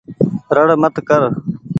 رڙ مت ڪر ۔